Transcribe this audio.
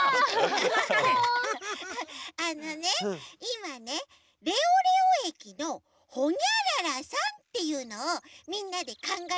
あのねいまね「レオレオえきのほにゃららさん」っていうのをみんなでかんがえてたの。